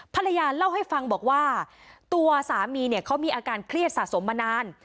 ภรรยาเล่าให้ฟังบอกว่าตัวสามีเนี่ยเขามีอาการเครียดสะสมมานาน